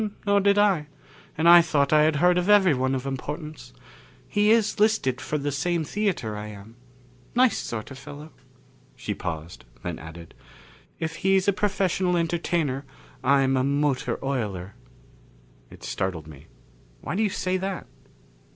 "Nor did I. And I thought I had heard of everyone of importance. He is listed for the same theater I am. Nice sort of fellow." She paused, then added, "If he's a professional entertainer, I'm a motor oiler." It startled me. "Why do you say that?"